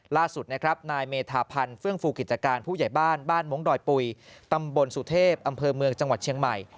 ล่าสุดนะครับนายเมธาพันธ์เฟื่องฟูกิจการผู้ใหญ่บ้านบ้านมงคดอยปุ๋ยตำบลสุเทพอำเภอเมืองจังหวัดเชียงใหม่